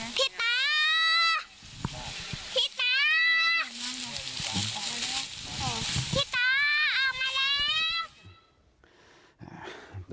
พี่ตา